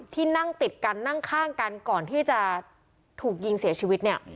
ที่นั่งติดกันนั่งข้างกันก่อนที่จะถูกยิงเสียชีวิตเนี่ย